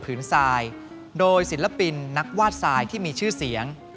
เพราะฉันเจอความรักของฉัน